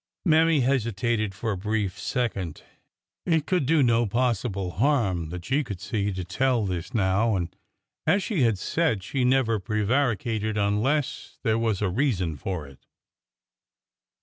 Mammy hesitated for a brief second.^ It could do no possible harm, that she could see, to tell this now, and, as she had said, she never prevaricated unless there was a reason for it.